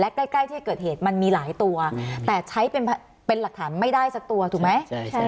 ใกล้ที่เกิดเหตุมันมีหลายตัวแต่ใช้เป็นหลักฐานไม่ได้สักตัวถูกไหม